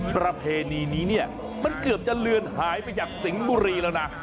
ประเพณีนี้เนี่ยมันเกือบจะเลือนหายไปจากสิงห์บุรีแล้วนะ